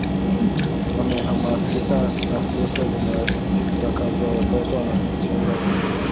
wamehamasika na fursa zitakazoletwa na kujiunga huko